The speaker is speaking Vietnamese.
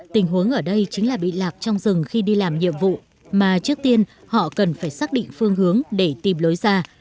tình huống ở đây chính là bị lạc trong rừng khi đi làm nhiệm vụ mà trước tiên họ cần phải xác định phương hướng để tìm lối ra